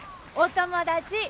お友達。